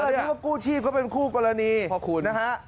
นึกว่ากู้ชีพก็เป็นคู่กรณีนะฮะ